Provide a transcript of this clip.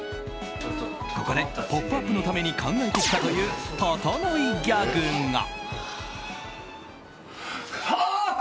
ここで「ポップＵＰ！」のために考えてきたというととのいギャグが。